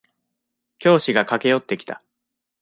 教師が駆け寄ってきた。